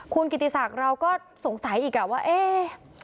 คุณกิติศักดิ์เราก็สงสัยอีกว่าเอ๊ะ